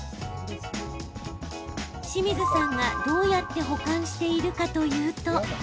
清水さんが、どうやって保管しているかというと。